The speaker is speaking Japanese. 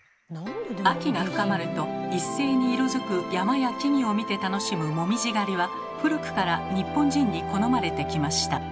秋が深まると一斉に色づく山や木々を見て楽しむもみじ狩りは古くから日本人に好まれてきました。